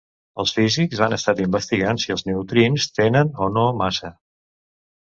Els físics han estat investigant si els neutrins tenen o no massa.